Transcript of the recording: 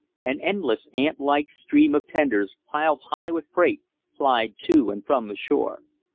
An endless, ant like stream of tenders, piled high with freight, plied to and from the shore.